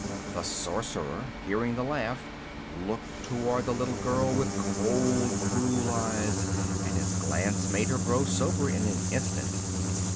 The Sorcerer, hearing the laugh, looked toward the little girl with cold, cruel eyes, and his glance made her grow sober in an instant.